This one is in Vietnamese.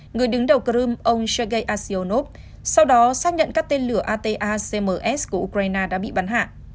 người đứng đầu crimea ông sergei asyonov sau đó xác nhận các tên lửa atacms của ukraine đã bị bắn hạ